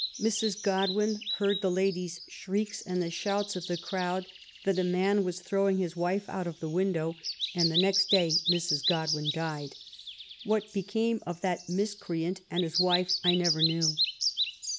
Mrs. Godwin heard the lady's shrieks and the shouts of the crowd that a man was throwing his wife out of the window, and the next day Mrs. Godwin died. What became of that miscreant and his wife I never knew.